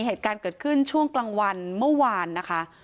เหตุการณ์เกิดขึ้นช่วงกลางวันเมื่อวานนะคะ